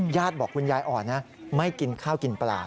บอกคุณยายอ่อนนะไม่กินข้าวกินปลา